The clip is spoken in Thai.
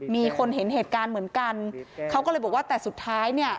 มีคนเห็นเหตุการณ์เหมือนกันเขาก็เลยบอกว่าแต่สุดท้ายเนี่ย